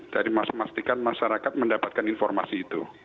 dari memastikan masyarakat mendapatkan informasi itu